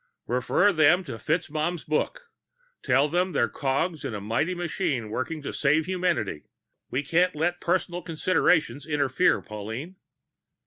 "Refer them to FitzMaugham's book. Tell them they're cogs in a mighty machine, working to save humanity. We can't let personal considerations interefere, Pauline."